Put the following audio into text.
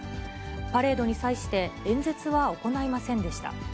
パレードに際して、演説は行いませんでした。